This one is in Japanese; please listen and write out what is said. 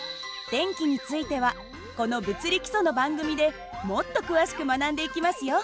電気についてはこの「物理基礎」の番組でもっと詳しく学んでいきますよ。